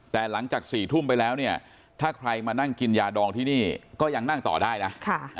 แต่หลังจาก๔ทุ่มไปแล้วเนี่ยถ้าใครมานั่งกินยาดองที่นี่ก็ยังนั่งต่อได้นะ